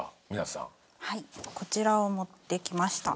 こちらを持ってきました。